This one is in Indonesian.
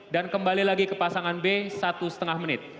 dan kembali lagi ke pasangan b satu lima menit